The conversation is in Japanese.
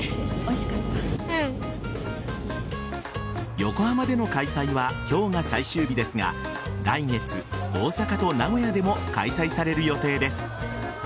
横浜での開催は今日が最終日ですが来月、大阪と名古屋でも開催される予定です。